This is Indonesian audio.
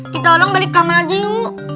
kitalah balik ke rumah aja yuk